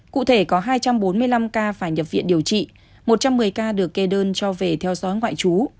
cụ thể có hai trăm bốn mươi năm ca phải nhập viện điều trị một trăm một mươi ca được kê đơn cho về theo dõi ngoại trú